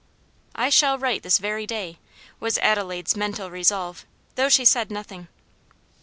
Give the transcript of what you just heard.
"I shall write this very day," was Adelaide's mental resolve, though she said nothing.